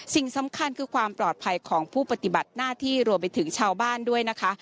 สิ่งสำคัญคือความปลอดภัยของผู้ปฏิบัติหน้าที่รวมไปถึงชาวบ้านด้วยนะคะ